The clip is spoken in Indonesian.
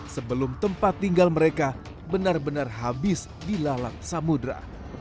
sebelum tempat tinggal mereka benar benar habis dilalat samudera